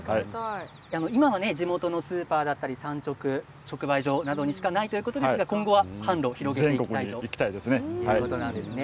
今は地元のスーパーや産直、直売所でしかないということですが今後は販路を広げていきたいということですね。